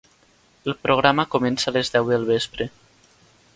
El programa comença a les deu del vespre.